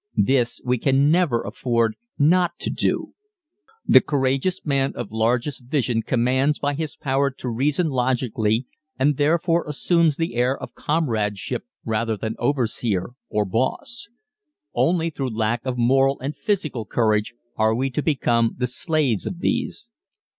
This we can never afford not to do. The courageous man of largest vision commands by his power to reason logically and therefore assumes the air of comradeship rather than "overseer" or "boss." Only through lack of moral and physical courage are we to become the slaves of these.